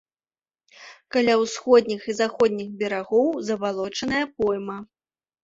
Каля ўсходніх і заходніх берагоў забалочаная пойма.